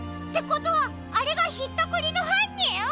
ってことはあれがひったくりのはんにん！？